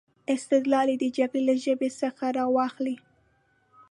استدلال یې د جګړې له ژبې څخه را واخلي.